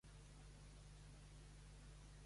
Efectuà els seus estudis a Dresden i a Leipzig.